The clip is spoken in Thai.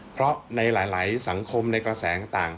เพราะในหลายสังคมในกระแสต่าง